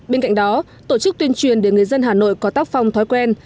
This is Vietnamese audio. bên cạnh đó tổ chức tuyên truyền để người dân hà nội có tác phong thói quen